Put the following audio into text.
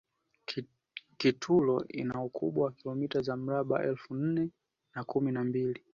kitulo ina ukubwa wa kilomita za mraba elfu nne na kumi na mbili